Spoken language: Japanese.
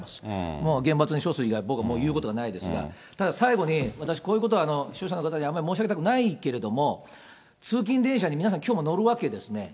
もう厳罰に処す以外、僕はもう、言うことがないですが、最後に、私、視聴者の方にあんまり申し上げたくないけれども、通勤電車に皆さん、きょうも乗るわけですよね。